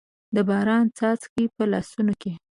د باران څاڅکي، په لاسونو کې